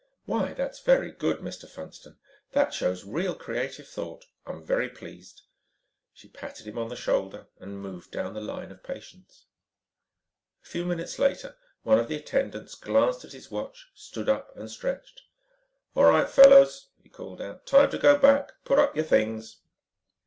"Why that's very good, Mr. Funston. That shows real creative thought. I'm very pleased." She patted him on the shoulder and moved down the line of patients. A few minutes later, one of the attendants glanced at his watch, stood up and stretched. "All right, fellows," he called out, "time to go back. Put up your things."